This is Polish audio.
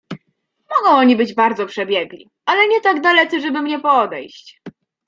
"Mogą oni być bardzo przebiegli, ale nie tak dalece, żeby mnie podejść."